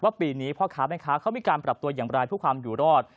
ปีนี้พ่อค้าแม่ค้าเขามีการปรับตัวอย่างไรเพื่อความอยู่รอด